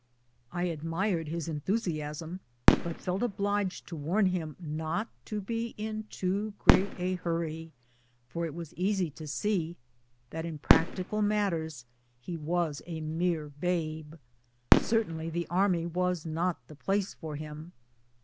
I admired his enthusiasm, but felt obliged to warn him not to be in too great a hurry ; for it was easy to see that in practical matters he was a mere babe. Cer tainly the Army was not the place for him.